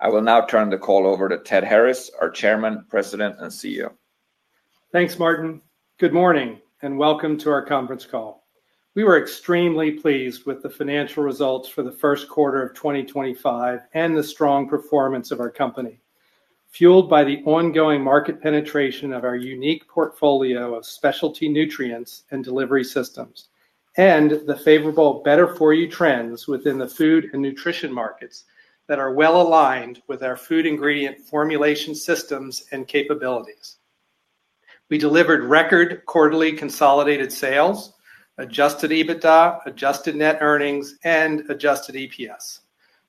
I will now turn the call over to Ted Harris, our Chairman, President, and CEO. Thanks, Martin. Good morning and welcome to our conference call. We were extremely pleased with the financial results for the first quarter of 2025 and the strong performance of our company, fueled by the ongoing market penetration of our unique portfolio of specialty nutrients and delivery systems, and the favorable better-for-you trends within the food and nutrition markets that are well aligned with our food ingredient formulation systems and capabilities. We delivered record quarterly consolidated sales, adjusted EBITDA, adjusted net earnings, and adjusted EPS,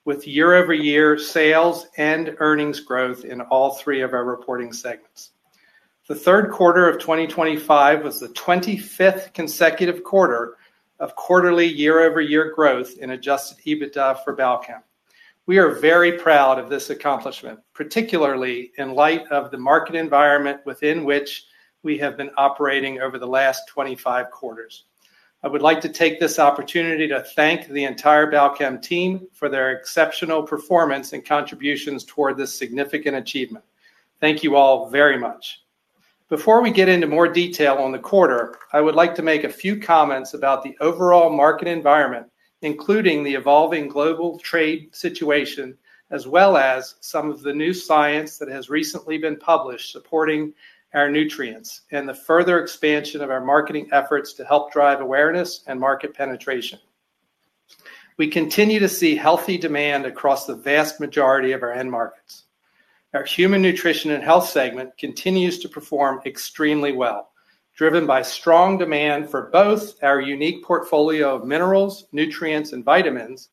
with year-over-year sales and earnings growth in all three of our reporting segments. The third quarter of 2025 was the 25th consecutive quarter of quarterly year-over-year growth in adjusted EBITDA for Balchem. We are very proud of this accomplishment, particularly in light of the market environment within which we have been operating over the last 25 quarters. I would like to take this opportunity to thank the entire Balchem team for their exceptional performance and contributions toward this significant achievement. Thank you all very much. Before we get into more detail on the quarter, I would like to make a few comments about the overall market environment, including the evolving global trade situation, as well as some of the new science that has recently been published supporting our nutrients and the further expansion of our marketing efforts to help drive awareness and market penetration. We continue to see healthy demand across the vast majority of our end markets. Our human nutrition and health segment continues to perform extremely well, driven by strong demand for both our unique portfolio of minerals, nutrients, and vitamins,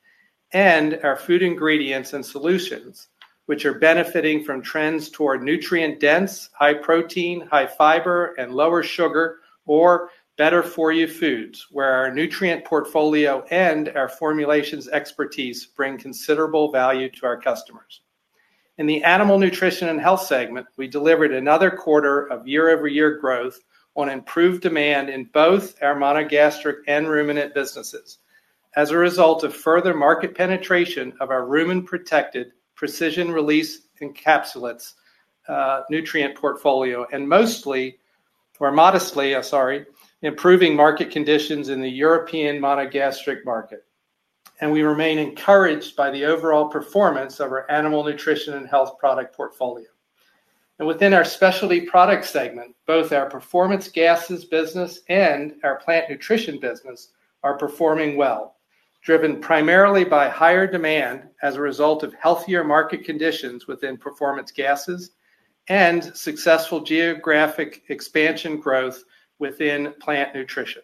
and our food ingredients and solutions, which are benefiting from trends toward nutrient-dense, high protein, high fiber, and lower sugar or better-for-you foods, where our nutrient portfolio and our formulations expertise bring considerable value to our customers. In the animal nutrition and health segment, we delivered another quarter of year-over-year growth on improved demand in both our monogastric and ruminant businesses as a result of further market penetration of our rumen-protected precision release encapsulated nutrient portfolio and modestly improving market conditions in the European monogastric market. We remain encouraged by the overall performance of our animal nutrition and health product portfolio. Within our Specialty Products segment, both our performance gases business and our plant nutrition business are performing well, driven primarily by higher demand as a result of healthier market conditions within performance gases and successful geographic expansion growth within plant nutrition.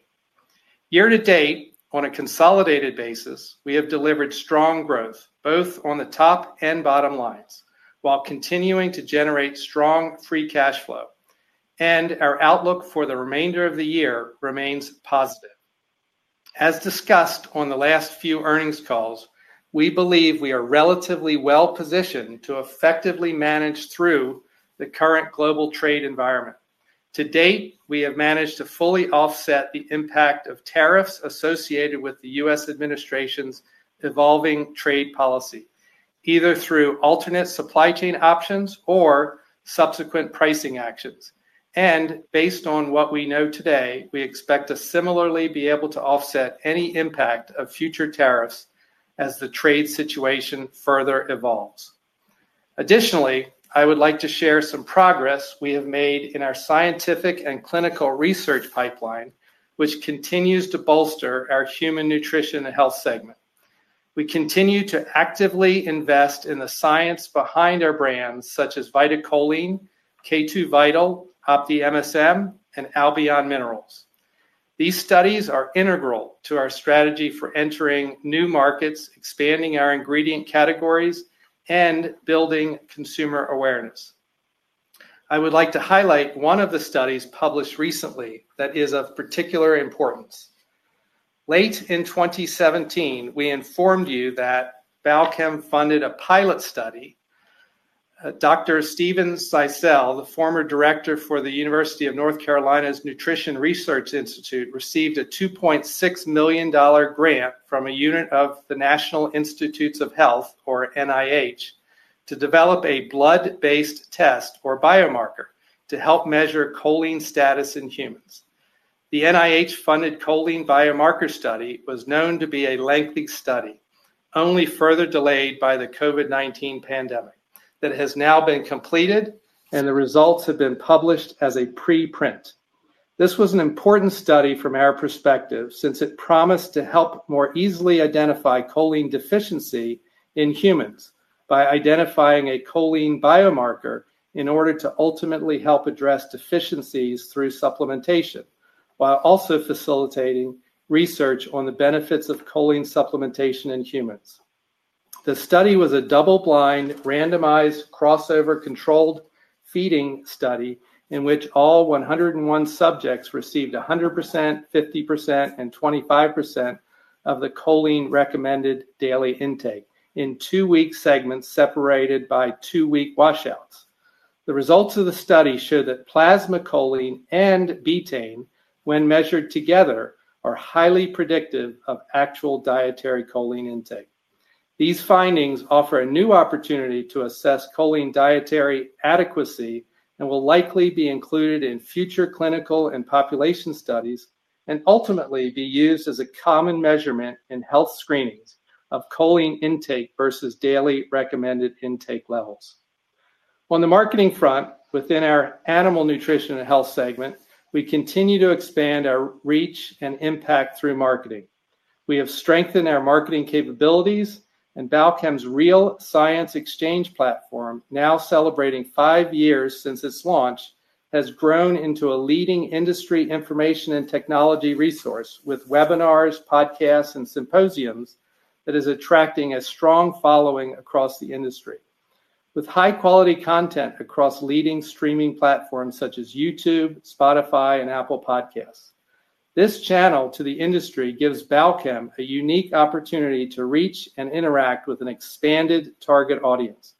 Year to date, on a consolidated basis, we have delivered strong growth both on the top and bottom lines while continuing to generate strong free cash flow, and our outlook for the remainder of the year remains positive. As discussed on the last few earnings calls, we believe we are relatively well positioned to effectively manage through the current global trade environment. To date, we have managed to fully offset the impact of tariffs associated with the U.S. administration's evolving trade policy, either through alternate supply chain options or subsequent pricing actions. Based on what we know today, we expect to similarly be able to offset any impact of future tariffs as the trade situation further evolves. Additionally, I would like to share some progress we have made in our scientific and clinical research pipeline, which continues to bolster our Human Nutrition and Health segment. We continue to actively invest in the science behind our brands, such as VitaCholine, K2VITAL, OptiMSM, and Albion Minerals. These studies are integral to our strategy for entering new markets, expanding our ingredient categories, and building consumer awareness. I would like to highlight one of the studies published recently that is of particular importance. Late in 2017, we informed you that Balchem funded a pilot study. Dr.Steven Zeisel, the former Director for the University of North Carolina's Nutrition Research Institute, received a $2.6 million grant from a unit of the NIH to develop a blood-based test or biomarker to help measure choline status in humans. The NIH-funded choline biomarker study was known to be a lengthy study, only further delayed by the COVID-19 pandemic, that has now been completed, and the results have been published as a preprint. This was an important study from our perspective since it promised to help more easily identify choline deficiency in humans by identifying a choline biomarker in order to ultimately help address deficiencies through supplementation, while also facilitating research on the benefits of choline supplementation in humans. The study was a double-blind, randomized, crossover-controlled feeding study in which all 101 subjects received 100%, 50%, and 25% of the choline recommended daily intake in two-week segments separated by two-week washouts. The results of the study show that plasma choline and betaine, when measured together, are highly predictive of actual dietary choline intake. These findings offer a new opportunity to assess choline dietary adequacy and will likely be included in future clinical and population studies and ultimately be used as a common measurement in health screenings of choline intake versus daily recommended intake levels. On the marketing front, within our Animal Nutrition and Health segment, we continue to expand our reach and impact through marketing. We have strengthened our marketing capabilities, and Balchem's Real Science Exchange platform, now celebrating five years since its launch, has grown into a leading industry information and technology resource with webinars, podcasts, and symposiums that is attracting a strong following across the industry. With high-quality content across leading streaming platforms such as YouTube, Spotify, and Apple Podcasts, this channel to the industry gives Balchem a unique opportunity to reach and interact with an expanded target audience.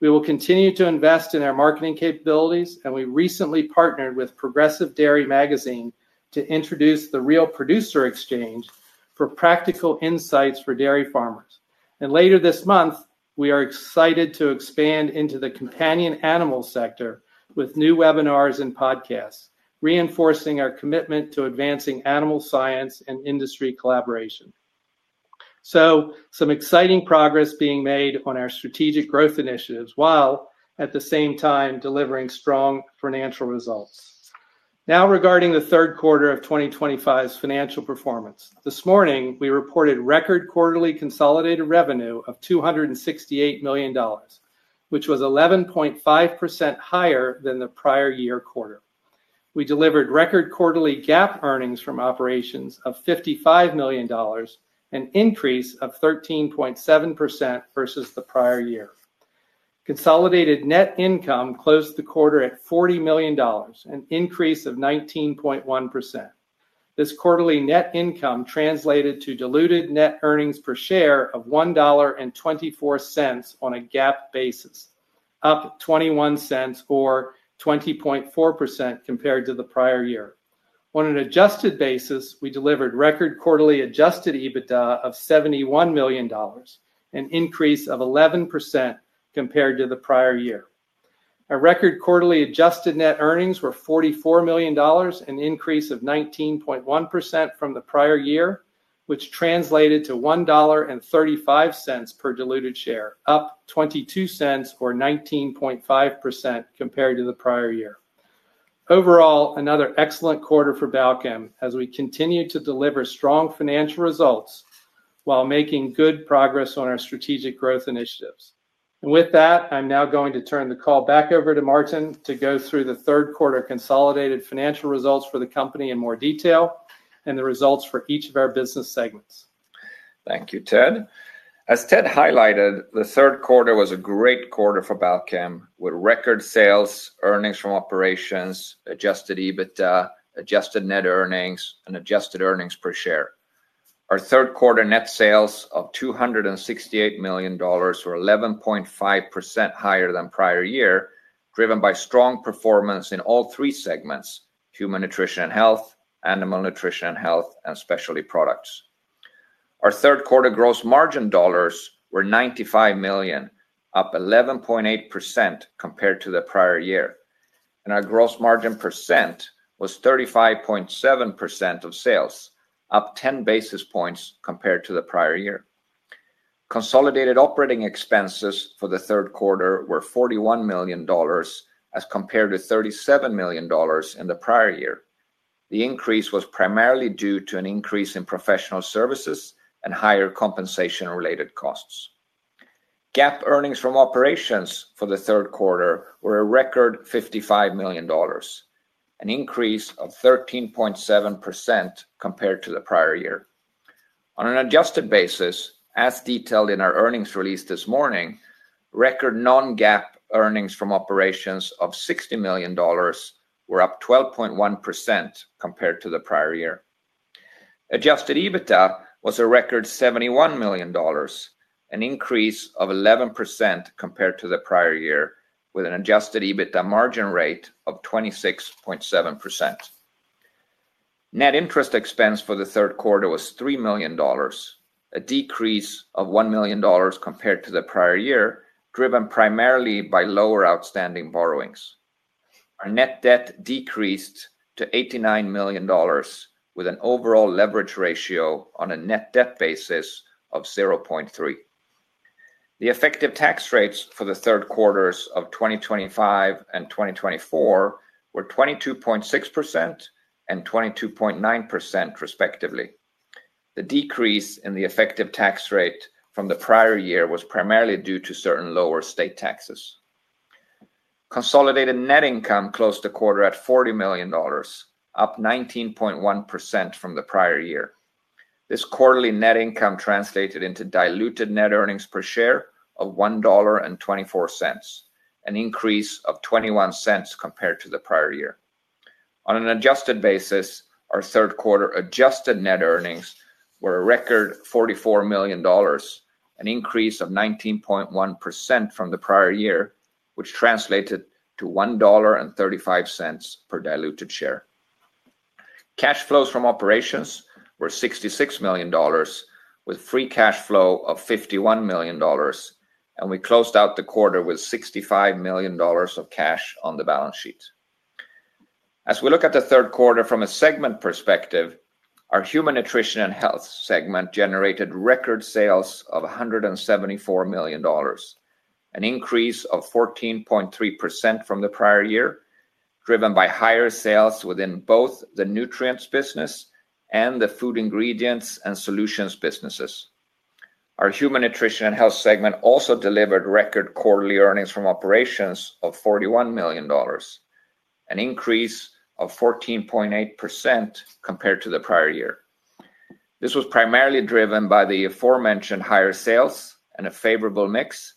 We will continue to invest in our marketing capabilities, and we recently partnered with Progressive Dairy Magazine to introduce the Real Producer Exchange for practical insights for dairy farmers. Later this month, we are excited to expand into the companion animal sector with new webinars and podcasts, reinforcing our commitment to advancing animal science and industry collaboration. Some exciting progress is being made on our strategic growth initiatives while at the same time delivering strong financial results. Now regarding the third quarter of 2025's financial performance, this morning we reported record quarterly consolidated revenue of $268 million, which was 11.5% higher than the prior year quarter. We delivered record quarterly GAAP earnings from operations of $55 million, an increase of 13.7% versus the prior year. Consolidated net income closed the quarter at $40 million, an increase of 19.1%. This quarterly net income translated to diluted net earnings per share of $1.24 on a GAAP basis, up $0.21 or 20.4% compared to the prior year. On an adjusted basis, we delivered record quarterly adjusted EBITDA of $71 million, an increase of 11% compared to the prior year. Our record quarterly adjusted net earnings were $44 million, an increase of 19.1% from the prior year, which translated to $1.35 per diluted share, up $0.22 or 19.5% compared to the prior year. Overall, another excellent quarter for Balchem as we continue to deliver strong financial results while making good progress on our strategic growth initiatives. With that, I'm now going to turn the call back over to Martin to go through the third quarter consolidated financial results for the company in more detail and the results for each of our business segments. Thank you, Ted. As Ted highlighted, the third quarter was a great quarter for Balchem with record sales earnings from operations, adjusted EBITDA, adjusted net earnings, and adjusted earnings per share. Our third quarter net sales of $268 million were 11.5% higher than prior year, driven by strong performance in all three segments: human nutrition and health, animal nutrition and health, and specialty products. Our third quarter gross margin dollars were $95 million, up 11.8% compared to the prior year. Our gross margin percent was 35.7% of sales, up 10 basis points compared to the prior year. Consolidated operating expenses for the third quarter were $41 million as compared to $37 million in the prior year. The increase was primarily due to an increase in professional services and higher compensation-related costs. GAAP earnings from operations for the third quarter were a record $55 million, an increase of 13.7% compared to the prior year. On an adjusted basis, as detailed in our earnings release this morning, record non-GAAP earnings from operations of $60 million were up 12.1% compared to the prior year. Adjusted EBITDA was a record $71 million, an increase of 11% compared to the prior year, with an adjusted EBITDA margin rate of 26.7%. Net interest expense for the third quarter was $3 million, a decrease of $1 million compared to the prior year, driven primarily by lower outstanding borrowings. Our net debt decreased to $89 million, with an overall leverage ratio on a net debt basis of 0.3. The effective tax rates for the third quarters of 2025 and 2024 were 22.6% and 22.9% respectively. The decrease in the effective tax rate from the prior year was primarily due to certain lower state taxes. Consolidated net income closed the quarter at $40 million, up 19.1% from the prior year. This quarterly net income translated into diluted net earnings per share of $1.24, an increase of $0.21 compared to the prior year. On an adjusted basis, our third quarter adjusted net earnings were a record $44 million, an increase of 19.1% from the prior year, which translated to $1.35 per diluted share. Cash flows from operations were $66 million, with free cash flow of $51 million, and we closed out the quarter with $65 million of cash on the balance sheet. As we look at the third quarter from a segment perspective, our Human Nutrition and Health segment generated record sales of $174 million, an increase of 14.3% from the prior year, driven by higher sales within both the nutrients business and the food ingredients and solutions businesses. Our Human Nutrition and Health segment also delivered record quarterly earnings from operations of $41 million, an increase of 14.8% compared to the prior year. This was primarily driven by the aforementioned higher sales and a favorable mix,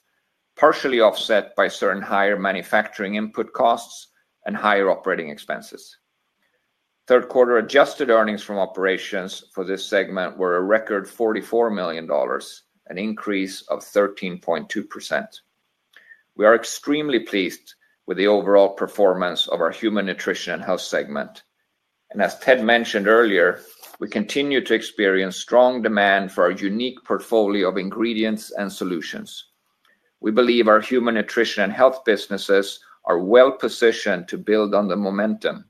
partially offset by certain higher manufacturing input costs and higher operating expenses. Third quarter adjusted earnings from operations for this segment were a record $44 million, an increase of 13.2%. We are extremely pleased with the overall performance of our Human Nutrition and Health segment. As Ted mentioned earlier, we continue to experience strong demand for our unique portfolio of ingredients and solutions. We believe our Human Nutrition and Health businesses are well-positioned to build on the momentum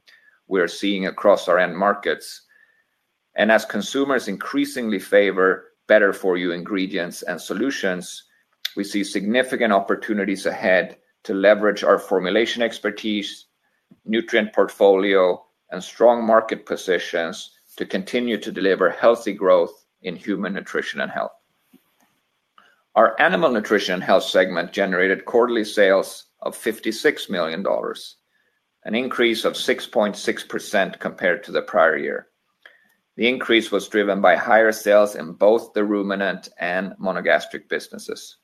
we are seeing across our end markets. As consumers increasingly favor better-for-you ingredients and solutions, we see significant opportunities ahead to leverage our formulation expertise, nutrient portfolio, and strong market positions to continue to deliver healthy growth in Human Nutrition and Health. Our Animal Nutrition and Health segment generated quarterly sales of $56 million, an increase of 6.6% compared to the prior year. The increase was driven by higher sales in both the ruminant and monogastric businesses.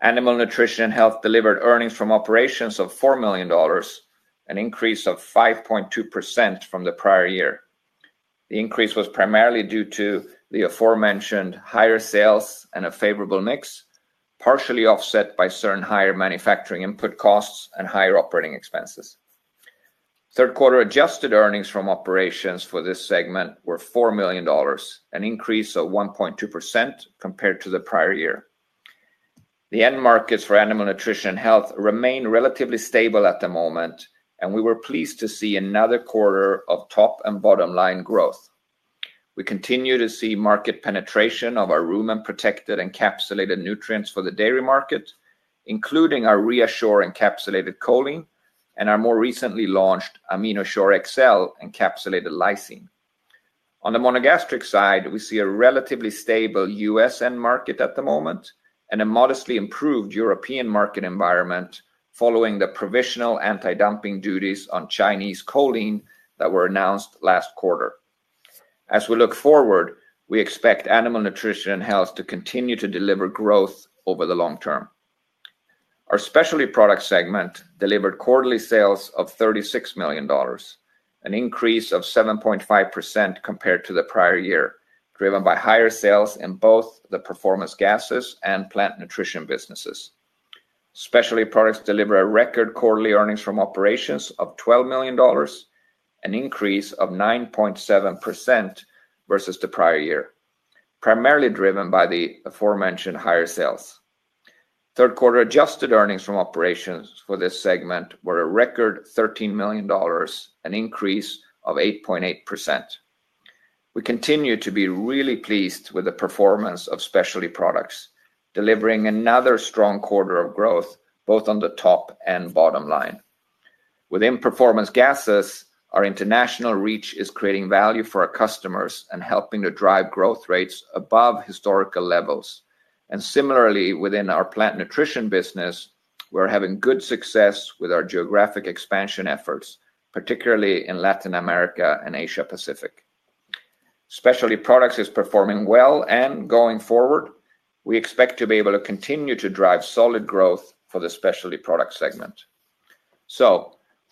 Animal Nutrition and Health delivered earnings from operations of $4 million, an increase of 5.2% from the prior year. The increase was primarily due to the aforementioned higher sales and a favorable mix, partially offset by certain higher manufacturing input costs and higher operating expenses. Third quarter adjusted earnings from operations for this segment were $4 million, an increase of 1.2% compared to the prior year. The end markets for Animal Nutrition and Health remain relatively stable at the moment, and we were pleased to see another quarter of top and bottom line growth. We continue to see market penetration of our rumen-protected encapsulated nutrients for the dairy market, including our ReaShure encapsulated choline and our more recently launched AminoShure-XL encapsulated lysine. On the monogastric side, we see a relatively stable U.S. end market at the moment and a modestly improved European market environment following the provisional anti-dumping duties on Chinese choline that were announced last quarter. As we look forward, we expect animal nutrition and health to continue to deliver growth over the long term. Our Specialty Products segment delivered quarterly sales of $36 million, an increase of 7.5% compared to the prior year, driven by higher sales in both the performance gases and plant nutrition businesses. Specialty Products delivered record quarterly earnings from operations of $12 million, an increase of 9.7% versus the prior year, primarily driven by the aforementioned higher sales. Third quarter adjusted earnings from operations for this segment were a record $13 million, an increase of 8.8%. We continue to be really pleased with the performance of Specialty Products, delivering another strong quarter of growth both on the top and bottom line. Within performance gases, our international reach is creating value for our customers and helping to drive growth rates above historical levels. Similarly, within our plant nutrition business, we're having good success with our geographic expansion efforts, particularly in Latin America and Asia Pacific. Specialty Products are performing well, and going forward, we expect to be able to continue to drive solid growth for the Specialty Products segment.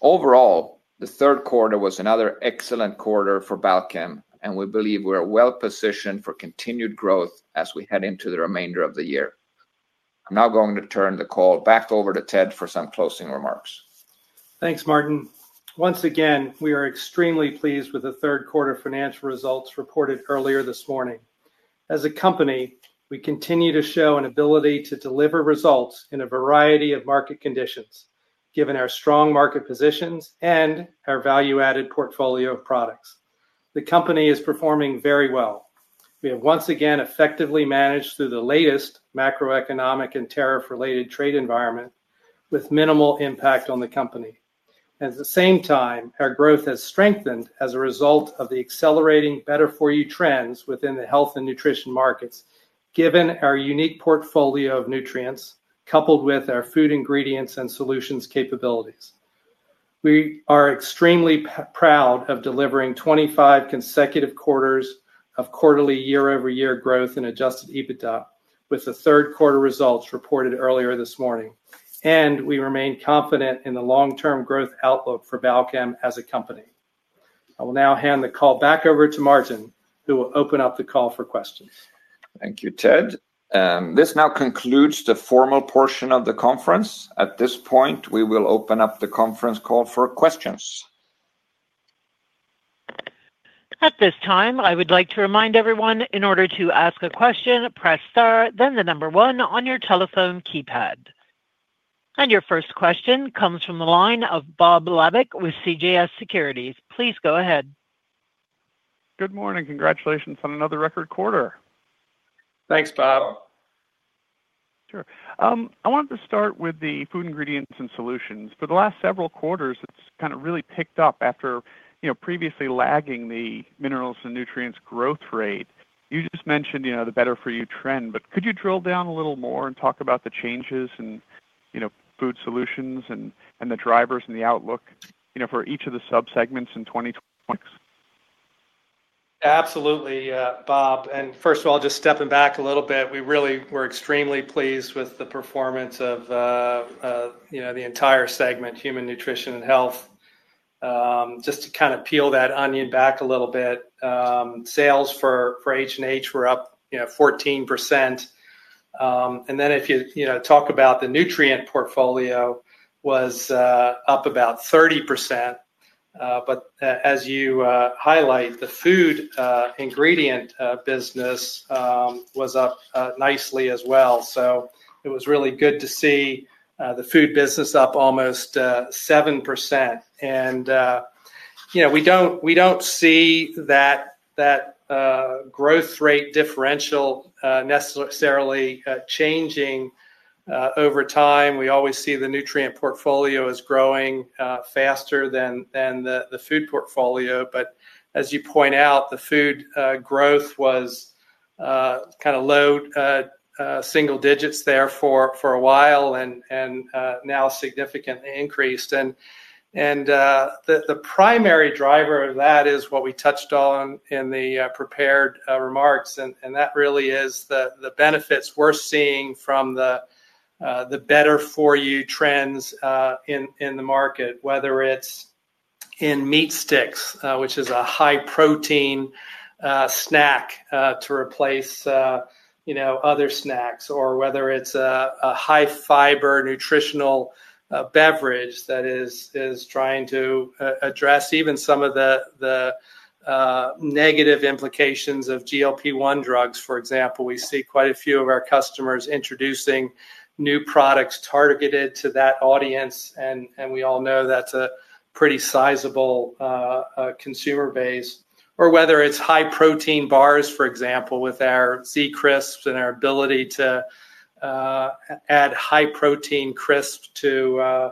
Overall, the third quarter was another excellent quarter for Balchem, and we believe we are well-positioned for continued growth as we head into the remainder of the year. I'm now going to turn the call back over to Ted for some closing remarks. Thanks, Martin. Once again, we are extremely pleased with the third-quarter financial results reported earlier this morning. As a company, we continue to show an ability to deliver results in a variety of market conditions, given our strong market positions and our value-added portfolio of products. The company is performing very well. We have once again effectively managed through the latest macroeconomic and tariff-related trade environment with minimal impact on the company. At the same time, our growth has strengthened as a result of the accelerating better-for-you trends within the health and nutrition markets, given our unique portfolio of nutrients coupled with our food ingredients and solutions capabilities. We are extremely proud of delivering 25 consecutive quarters of quarterly year-over-year growth in adjusted EBITDA with the third quarter results reported earlier this morning. We remain confident in the long-term growth outlook for Balchem as a company. I will now hand the call back over to Martin, who will open up the call for questions. Thank you, Ted. This now concludes the formal portion of the conference. At this point, we will open up the conference call for questions. At this time, I would like to remind everyone in order to ask a question, press star, then the number one on your telephone keypad. Your first question comes from the line of Bob Labick with CJS Securities. Please go ahead. Good morning. Congratulations on another record quarter. Thanks, Bob. Sure. I wanted to start with the food ingredients and solutions. For the last several quarters, it's kind of really picked up after previously lagging the minerals and nutrients growth rate. You just mentioned the better-for-you trend, could you drill down a little more and talk about the changes in food solutions and the drivers and the outlook for each of the subsegments in 2026? Absolutely, Bob. First of all, just stepping back a little bit, we really were extremely pleased with the performance of the entire segment, Human Nutrition and Health. Just to kind of peel that onion back a little bit, sales for HNH were up 14%. If you talk about the nutrient portfolio, it was up about 30%. As you highlight, the food ingredient business was up nicely as well. It was really good to see the food business up almost 7%. We do not see that growth rate differential necessarily changing over time. We always see the nutrient portfolio as growing faster than the food portfolio. As you point out, the food growth was kind of low single digits there for a while and now significantly increased. The primary driver of that is what we touched on in the prepared remarks. That really is the benefits we are seeing from the better-for-you trends in the market, whether it is in meat sticks, which is a high-protein snack to replace other snacks, or whether it is a high-fiber nutritional beverage that is trying to address even some of the negative implications of GLP-1 drugs. For example, we see quite a few of our customers introducing new products targeted to that audience. We all know that is a pretty sizable consumer base. Whether it is high-protein bars, for example, with our Z-Crisps and our ability to add high-protein Crisps to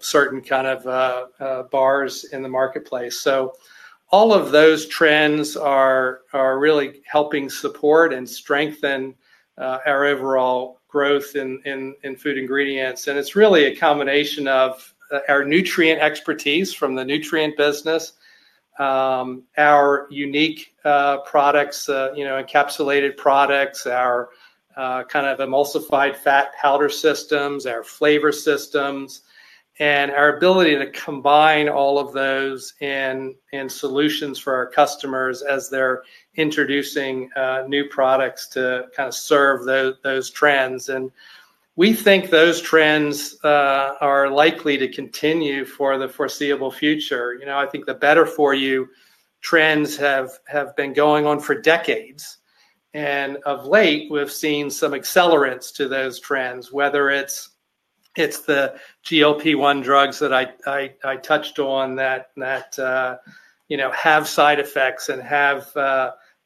certain kind of bars in the marketplace, all of those trends are really helping support and strengthen our overall growth in food ingredients. It is really a combination of our nutrient expertise from the nutrient business, our unique products, encapsulated products, our kind of emulsified fat powder systems, our flavor systems, and our ability to combine all of those in solutions for our customers as they are introducing new products to serve those trends. We think those trends are likely to continue for the foreseeable future. The better-for-you trends have been going on for decades. Of late, we have seen some accelerance to those trends, whether it is the GLP-1 drugs that I touched on that have side effects and have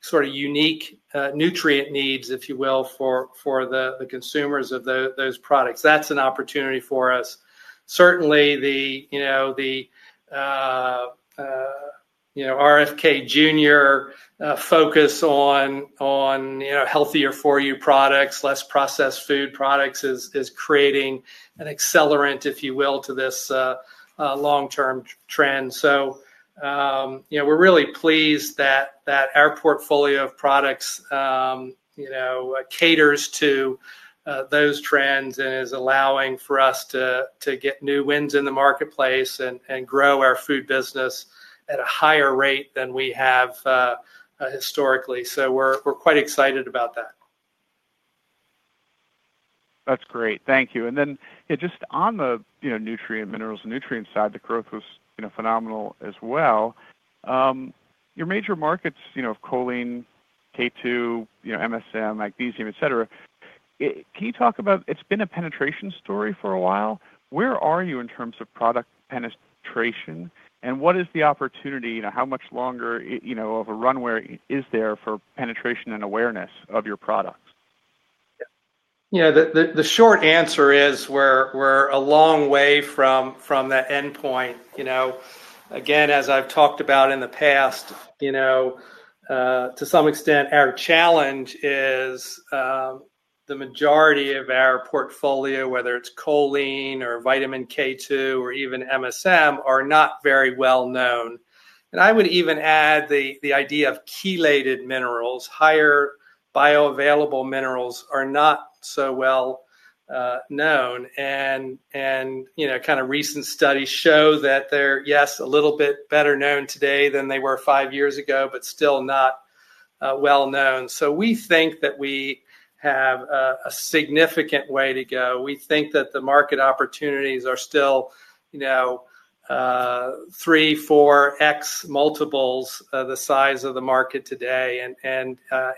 sort of unique nutrient needs, if you will, for the consumers of those products. That is an opportunity for us. Certainly, the RFK Jr. focus on healthier for you products, less processed food products, is creating an accelerant, if you will, to this long-term trend. We are really pleased that our portfolio of products caters to those trends and is allowing for us to get new wins in the marketplace and grow our food business at a higher rate than we have historically. We are quite excited about that. That's great. Thank you. Just on the nutrient minerals and nutrient side, the growth was phenomenal as well. Your major markets of choline, K2, MSM, magnesium, et cetera, can you talk about it's been a penetration story for a while? Where are you in terms of product penetration? What is the opportunity? How much longer of a runway is there for penetration and awareness of your products? Yeah, the short answer is we're a long way from that endpoint. As I've talked about in the past, to some extent, our challenge is the majority of our portfolio, whether it's choline or vitamin K2 or even MSM, are not very well known. I would even add the idea of chelated minerals, higher bioavailable minerals, are not so well known. Recent studies show that they're, yes, a little bit better known today than they were five years ago, but still not well known. We think that we have a significant way to go. We think that the market opportunities are still 3x, 4x multiples the size of the market today.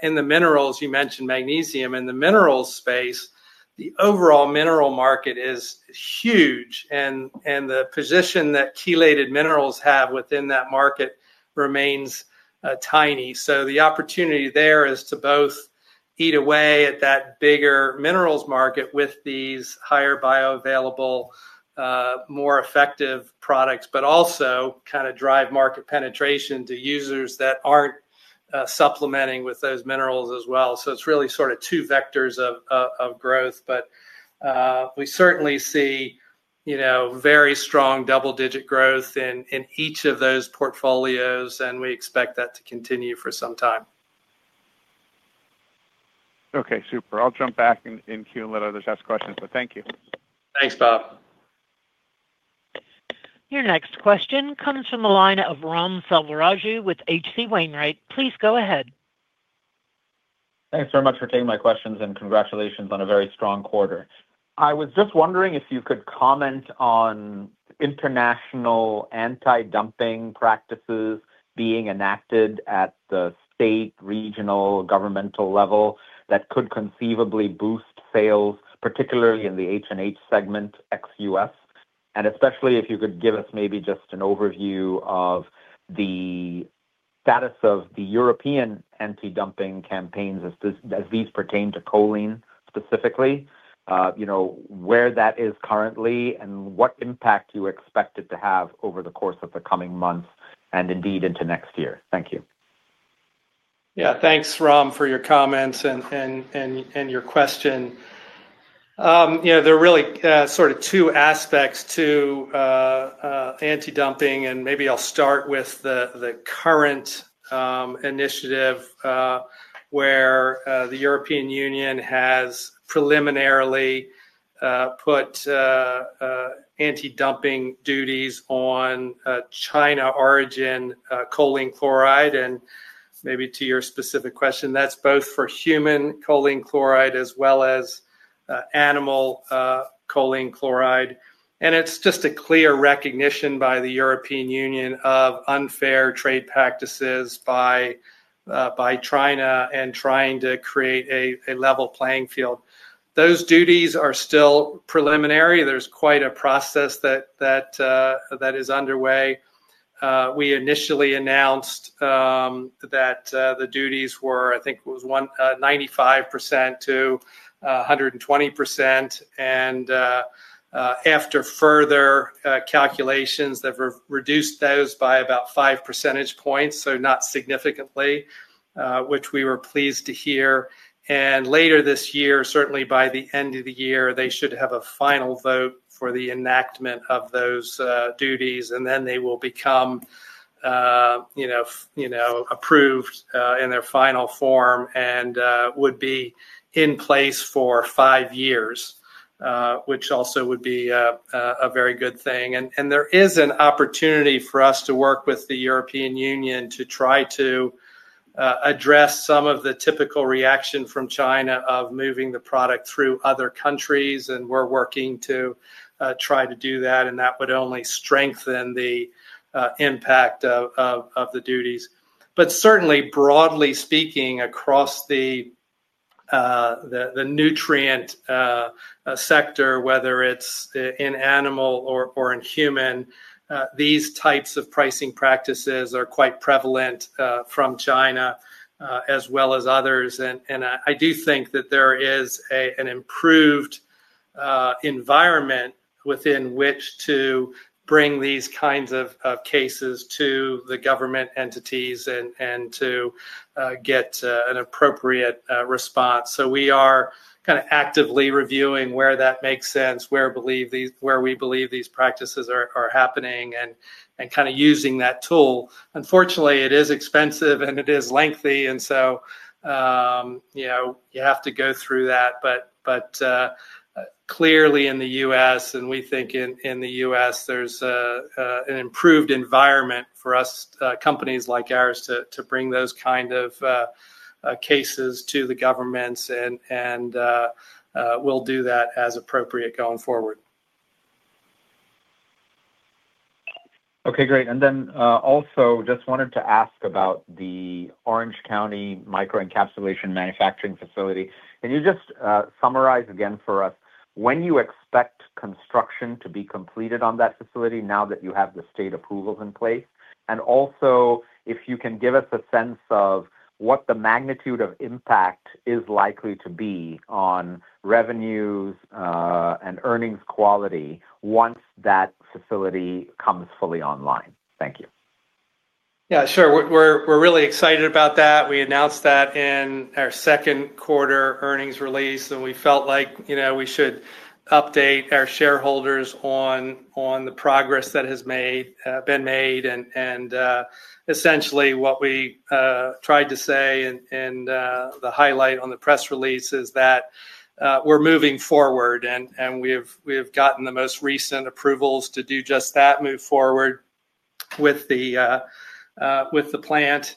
In the minerals, you mentioned magnesium in the minerals space, the overall mineral market is huge. The position that chelated minerals have within that market remains tiny. The opportunity there is to both eat away at that bigger minerals market with these higher bioavailable, more effective products, but also drive market penetration to users that aren't supplementing with those minerals as well. It's really sort of two vectors of growth. We certainly see very strong double-digit growth in each of those portfolios, and we expect that to continue for some time. OK, super. I'll jump back in queue and let others ask questions. Thank you. Thanks, Bob. Your next question comes from the line of Ram Selvaraju with H.C. Wainwright. Please go ahead. Thanks very much for taking my questions, and congratulations on a very strong quarter. I was just wondering if you could comment on international anti-dumping practices being enacted at the state, regional, governmental level that could conceivably boost sales, particularly in the HNH segment, ex-U.S.? Especially if you could give us maybe just an overview of the status of the European anti-dumping campaigns as these pertain to choline specifically, you know where that is currently, and what impact you expect it to have over the course of the coming months and indeed into next year. Thank you. Yeah. Thanks, Ram, for your comments and your question. There are really sort of two aspects to anti-dumping. Maybe I'll start with the current initiative where the European Union has preliminarily put anti-dumping duties on China-origin choline chloride. Maybe to your specific question, that's both for human choline chloride as well as animal choline chloride. It's just a clear recognition by the European Union of unfair trade practices by China and trying to create a level playing field. Those duties are still preliminary. There's quite a process that is underway. We initially announced that the duties were, I think it was 95%-120%. After further calculations, they've reduced those by about five percentage points, so not significantly, which we were pleased to hear. Later this year, certainly by the end of the year, they should have a final vote for the enactment of those duties. They will become approved in their final form and would be in place for five years, which also would be a very good thing. There is an opportunity for us to work with the European Union to try to address some of the typical reaction from China of moving the product through other countries. We're working to try to do that. That would only strengthen the impact of the duties. Certainly, broadly speaking, across the nutrient sector, whether it's in animal or in human, these types of pricing practices are quite prevalent from China as well as others. I do think that there is an improved environment within which to bring these kinds of cases to the government entities and to get an appropriate response. We are kind of actively reviewing where that makes sense, where we believe these practices are happening, and kind of using that tool. Unfortunately, it is expensive and it is lengthy. You have to go through that. Clearly, in the U.S., and we think in the U.S., there's an improved environment for companies like ours to bring those kind of cases to the governments. We'll do that as appropriate going forward. OK, great. I just wanted to ask about the Orange County microencapsulation manufacturing facility. Can you summarize again for us when you expect construction to be completed on that facility now that you have the state approvals in place? Also, if you can give us a sense of what the magnitude of impact is likely to be on revenues and earnings quality once that facility comes fully online. Thank you. Yeah, sure. We're really excited about that. We announced that in our second quarter earnings release. We felt like we should update our shareholders on the progress that has been made. Essentially, what we tried to say in the highlight on the press release is that we're moving forward. We've gotten the most recent approvals to do just that, move forward with the plant.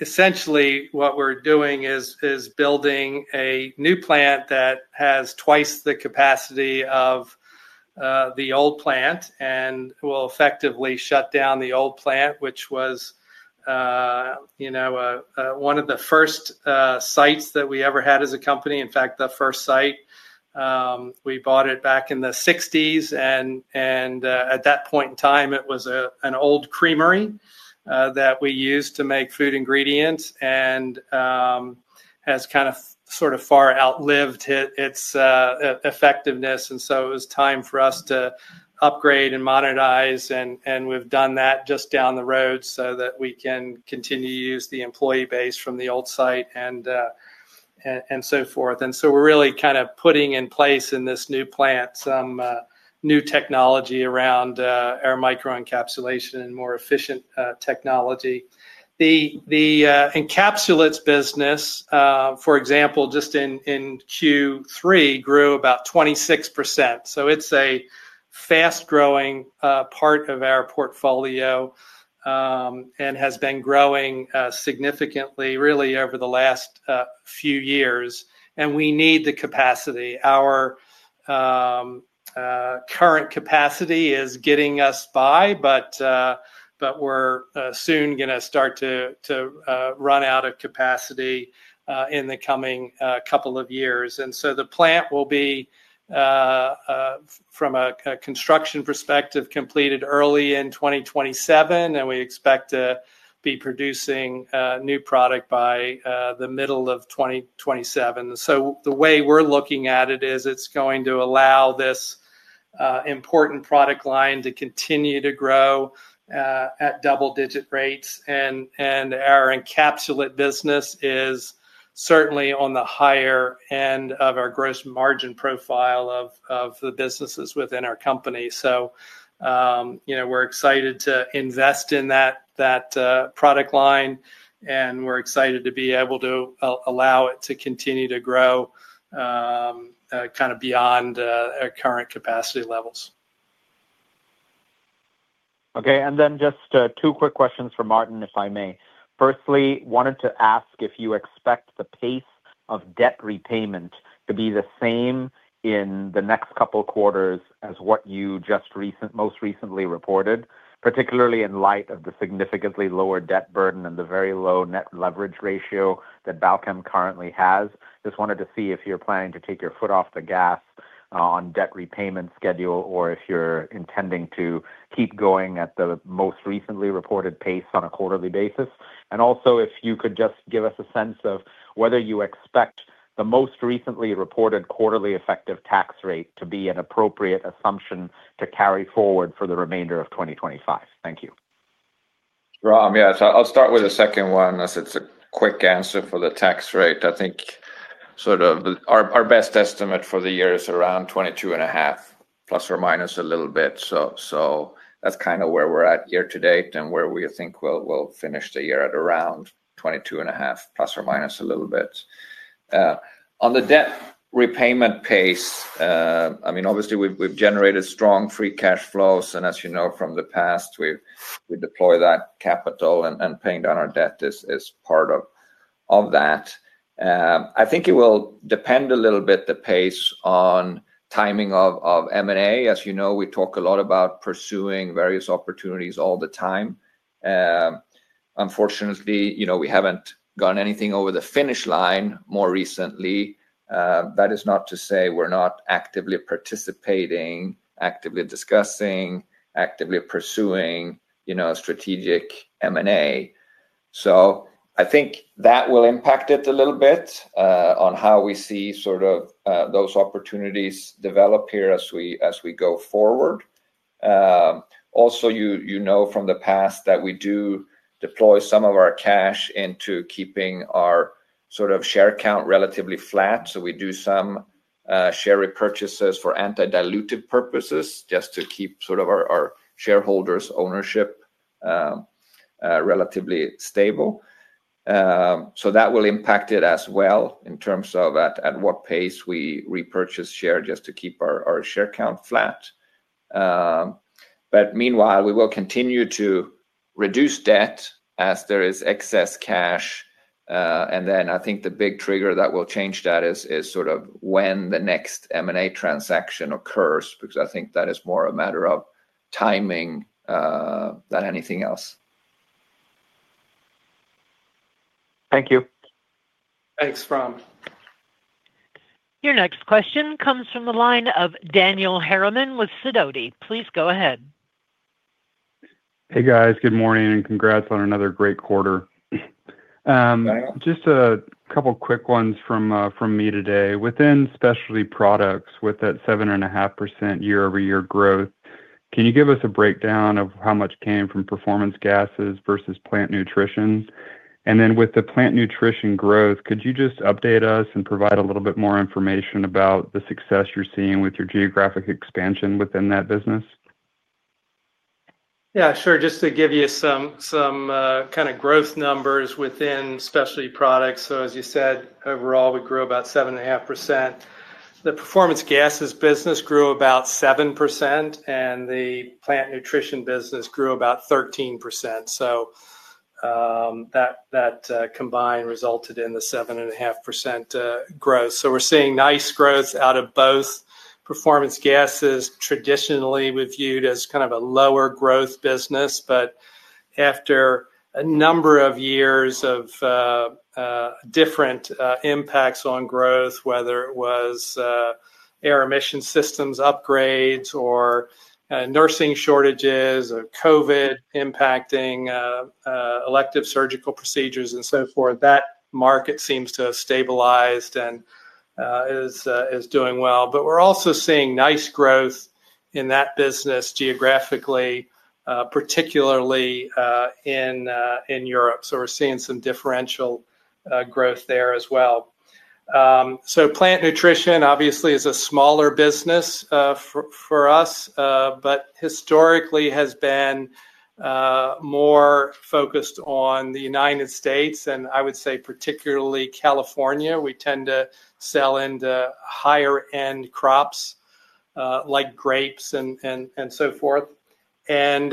Essentially, what we're doing is building a new plant that has twice the capacity of the old plant and will effectively shut down the old plant, which was one of the first sites that we ever had as a company. In fact, the first site, we bought it back in the 1960s. At that point in time, it was an old creamery that we used to make food ingredients and has kind of sort of far outlived its effectiveness. It was time for us to upgrade and modernize. We've done that just down the road so that we can continue to use the employee base from the old site and so forth. We're really kind of putting in place in this new plant some new technology around our microencapsulation and more efficient technology. The encapsulates business, for example, just in Q3, grew about 26%. It's a fast-growing part of our portfolio and has been growing significantly, really, over the last few years. We need the capacity. Our current capacity is getting us by, but we're soon going to start to run out of capacity in the coming couple of years. The plant will be, from a construction perspective, completed early in 2027. We expect to be producing a new product by the middle of 2027. The way we're looking at it is it's going to allow this important product line to continue to grow at double-digit rates. Our encapsulate business is certainly on the higher end of our gross margin profile of the businesses within our company. We're excited to invest in that product line. We're excited to be able to allow it to continue to grow kind of beyond our current capacity levels. OK. Just two quick questions for Martin, if I may. Firstly, I wanted to ask if you expect the pace of debt repayment to be the same in the next couple of quarters as what you just most recently reported, particularly in light of the significantly lower debt burden and the very low net leverage ratio that Balchem currently has. I just wanted to see if you're planning to take your foot off the gas on debt repayment schedule or if you're intending to keep going at the most recently reported pace on a quarterly basis. Also, if you could just give us a sense of whether you expect the most recently reported quarterly effective tax rate to be an appropriate assumption to carry forward for the remainder of 2025. Thank you. Yeah, I'll start with the second one as it's a quick answer for the tax rate. I think sort of our best estimate for the year is around 22.5%, plus or minus a little bit. That's kind of where we're at year to date and where we think we'll finish the year at, around 22.5%, plus or minus a little bit. On the debt repayment pace, obviously, we've generated strong free cash flows. As you know from the past, we deploy that capital and paying down our debt is part of that. I think it will depend a little bit, the pace, on timing of M&A. As you know, we talk a lot about pursuing various opportunities all the time. Unfortunately, we haven't gone anything over the finish line more recently. That is not to say we're not actively participating, actively discussing, actively pursuing strategic M&A. I think that will impact it a little bit on how we see sort of those opportunities develop here as we go forward. Also, you know from the past that we do deploy some of our cash into keeping our sort of share count relatively flat. We do some share repurchases for anti-dilutive purposes just to keep our shareholders' ownership relatively stable. That will impact it as well in terms of at what pace we repurchase share just to keep our share count flat. Meanwhile, we will continue to reduce debt as there is excess cash. I think the big trigger that will change that is when the next M&A transaction occurs, because I think that is more a matter of timing than anything else. Thank you. Thanks, Ram. Your next question comes from the line of Daniel Harriman with Sidoti. Please go ahead. Hey, guys. Good morning and congrats on another great quarter. Just a couple of quick ones from me today. Within Specialty Products, with that 7.5% year-over-year growth, can you give us a breakdown of how much came from performance gases versus plant nutrition? With the plant nutrition growth, could you just update us and provide a little bit more information about the success you're seeing with your geographic expansion within that business? Yeah, sure. Just to give you some kind of growth numbers within Specialty Products. As you said, overall, we grew about 7.5%. The performance gases business grew about 7%, and the plant nutrition business grew about 13%. That combined resulted in the 7.5% growth. We're seeing nice growth out of both performance gases. Traditionally, we viewed it as kind of a lower-growth business. After a number of years of different impacts on growth, whether it was air emission systems upgrades, nursing shortages, or COVID impacting elective surgical procedures and so forth, that market seems to have stabilized and is doing well. We're also seeing nice growth in that business geographically, particularly in Europe. We're seeing some differential growth there as well. Plant nutrition obviously is a smaller business for us, but historically has been more focused on the United States, and I would say particularly California. We tend to sell into higher-end crops like grapes and so forth. An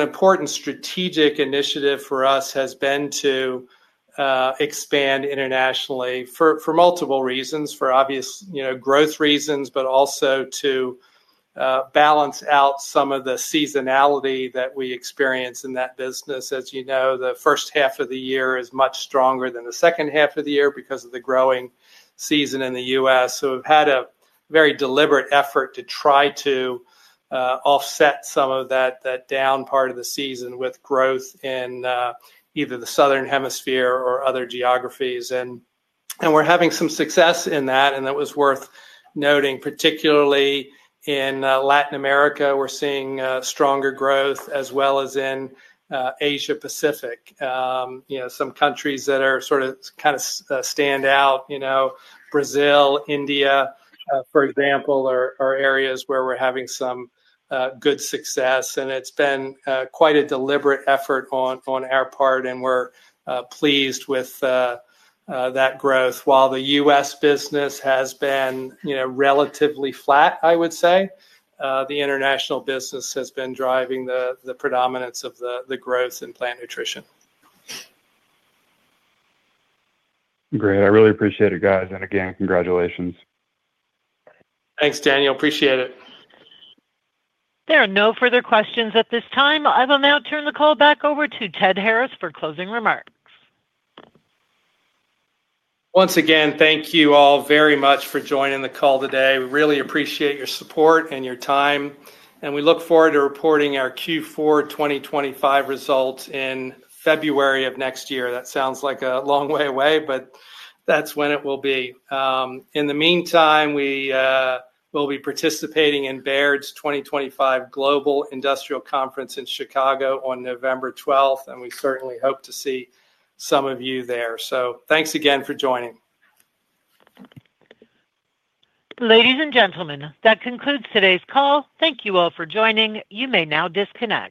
important strategic initiative for us has been to expand internationally for multiple reasons, for obvious growth reasons, but also to balance out some of the seasonality that we experience in that business. As you know, the first half of the year is much stronger than the second half of the year because of the growing season in the U.S. We've had a very deliberate effort to try to offset some of that down part of the season with growth in either the Southern Hemisphere or other geographies. We're having some success in that, and that was worth noting, particularly in Latin America. We're seeing stronger growth, as well as in Asia Pacific. Some countries that are sort of kind of stand out, Brazil, India, for example, are areas where we're having some good success. It's been quite a deliberate effort on our part, and we're pleased with that growth. While the U.S. business has been relatively flat, I would say the international business has been driving the predominance of the growth in plant nutrition. Great. I really appreciate it, guys. Again, congratulations. Thanks, Daniel. Appreciate it. There are no further questions at this time. I will now turn the call back over to Ted Harris for closing remarks. Once again, thank you all very much for joining the call today. We really appreciate your support and your time. We look forward to reporting our Q4 2025 results in February of next year. That sounds like a long way away, but that's when it will be. In the meantime, we will be participating in Baird's 2025 Global Industrial Conference in Chicago on November 12th. We certainly hope to see some of you there. Thanks again for joining. Ladies and gentlemen, that concludes today's call. Thank you all for joining. You may now disconnect.